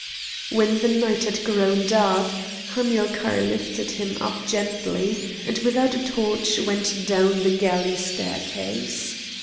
When the night had grown dark Hamilcar lifted him up gently, and, without a torch, went down the galley staircase.